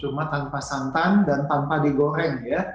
cuma tanpa santan dan tanpa digoreng ya